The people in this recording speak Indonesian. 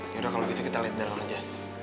yaudah kalau gitu kita lihat dalam aja